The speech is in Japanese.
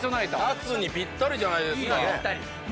夏にぴったりじゃないですか。